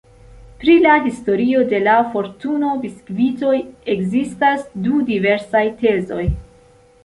Pri la historio de la fortuno-biskvitoj ekzistas du diversaj tezoj.